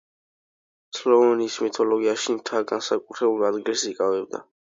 სლოვენიის მითოლოგიაში მთა განსაკუთრებულ ადგილს იკავებდა.